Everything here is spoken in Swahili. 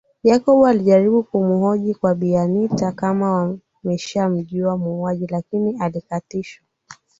Jacob alijaribu kuhoji kwa Bi Anita kama wameshamjua muuaji lakini alikatishwa